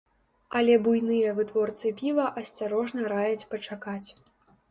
Але буйныя вытворцы піва асцярожна раяць пачакаць.